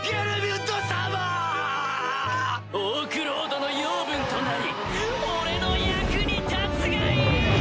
オークロードの養分となり俺の役に立つがいい！